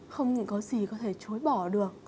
không có gì có thể chối bỏ được